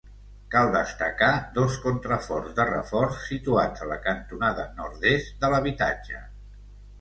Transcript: Cal destacar dos contraforts de reforç situats a la cantonada nord-est de l'habitatge.